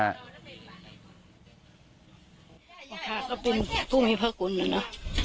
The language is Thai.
พระพระก็เป็นผู้มีพระคุณนะเนอะ